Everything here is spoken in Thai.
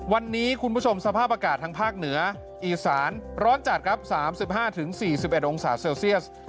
วันนี้คุณผู้ชมสภาพอากาศทางภาคเหนืออีสานร้อนจัดครับ๓๕๔๑องศาเซลเซียส